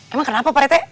emang kenapa pak rete